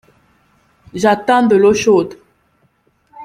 J’attends de l’eau chaude.